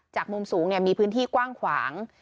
มุมสูงมีพื้นที่กว้างขวาง